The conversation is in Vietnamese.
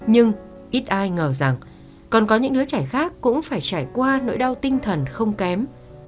nhưng ít ai ngờ rằng còn có những đứa trẻ khác cũng phải trải qua nỗi đau tinh thần không kém